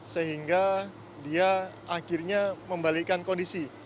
sehingga dia akhirnya membalikkan kondisi